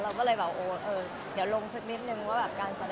เราก็เลยแบบโอ้เออเดี๋ยวลงสักนิดนึงว่าแบบการแสดง